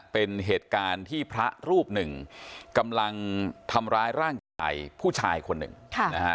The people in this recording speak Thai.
เป็นเหตุการณ์ที่พระรูปหนึ่งกำลังทำร้ายร่างกายผู้ชายคนหนึ่งค่ะนะฮะ